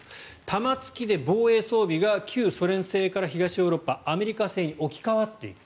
弾付きで防衛装備が旧ソ連製から東ヨーロッパアメリカ製に置き換わっている。